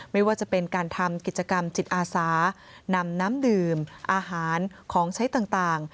ไม่ว่าจะเป็นการทำกิจกรรมจิตอาสานำน้ำดื่มอาหารของใช้ต่าง